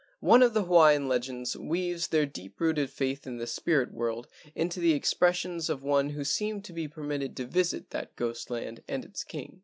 One of the Hawaiian legends weaves their deep rooted faith in the spirit world into the expressions of one who seemed to be per¬ mitted to visit that ghost land and its king.